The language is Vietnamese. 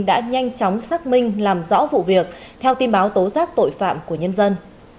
đã nhanh chóng xác minh làm rõ vụ việc theo tin báo tố giác tội phạm của nhân dân